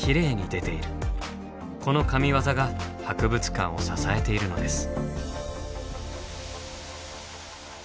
この神業が博物館を支えているのです。